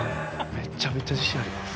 めちゃめちゃ自信あります。